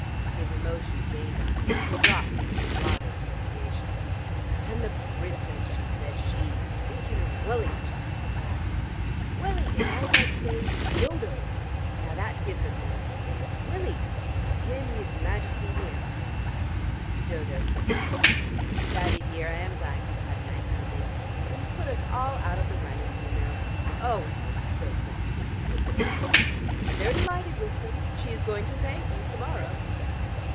His emotion gained on him, and he dropped into a broader pronunciation. "And the Princess!" he said. "She speaking of Wullie, just like that. 'Wullie,' as I might say 'Dodo.' Now that gives a man to think. Wullie! And him his Majesty the Emperor!" Dodo kissed him. "Daddy, dear," she said, "I am glad you've had a nice evening. But you put us all out of the running, you know. Oh, and those soap boxes, you wicked old man! But they're delighted with them. She is going to thank you to morrow."